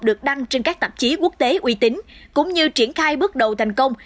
được đăng trên các tạp chí quốc tế uy tín cũng như triển khai bước đầu thành công